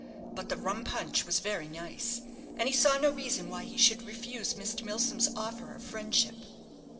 But the rum punch was very nice; and he saw no reason why he should refuse Mr. Milsom's offer of friendship.